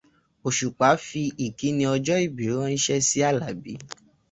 Òṣùpá fíi ìkíni ọjọ́ ìbí ránṣẹ́ sí Àlàbí.